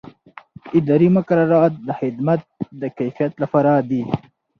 اداري مقررات د خدمت د کیفیت لپاره دي.